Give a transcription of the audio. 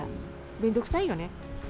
面倒くさいよね。